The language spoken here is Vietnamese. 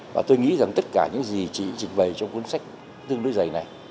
và tôi nghĩ rằng tất cả những gì chị trình bày trong cuốn sách tương đối giày này